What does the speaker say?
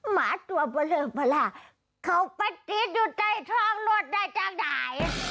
หมาตัวเบลอบลาเขาเป็นติดใต้ท้องรถนี่จังหาย